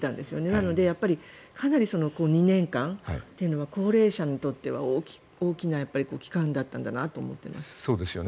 なので、この２年間というのは高齢者にとっては大きな期間だったんだなと思っています。